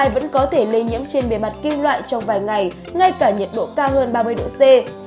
vẫn có thể lây nhiễm trên bề mặt kim loại trong vài ngày ngay cả nhiệt độ cao hơn ba mươi độ c